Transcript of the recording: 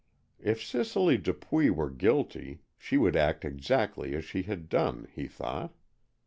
If Cicely Dupuy were guilty, she would act exactly as she had done, he thought.